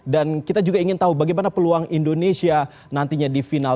dan kita juga ingin tahu bagaimana peluang indonesia nantinya di final